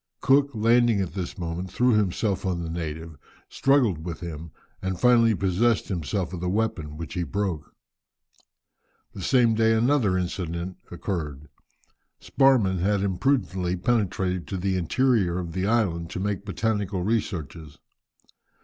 Cook, landing at this moment, threw himself on the native, struggled with him and finally possessed himself of his weapon, which he broke. The same day another incident occurred. Sparrman had imprudently penetrated to the interior of the island to make botanical researches.